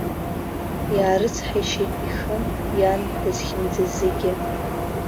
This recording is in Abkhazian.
Иаарыцҳаишьеит ихы, иан, дызхьымӡаз зегьы.